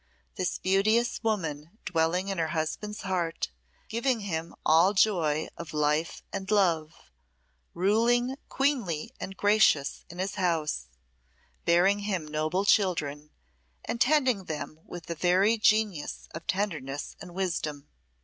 This beauteous woman dwelling in her husband's heart, giving him all joy of life and love, ruling queenly and gracious in his house, bearing him noble children, and tending them with the very genius of tenderness and wisdom.